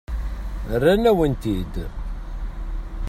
Rran-awen-t-id.